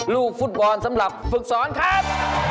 ลูกฟุตบอลสำหรับฝึกสอนครับ